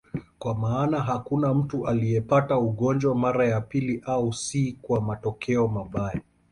Kwa maana hakuna mtu aliyepata ugonjwa mara ya pili, au si kwa matokeo mbaya.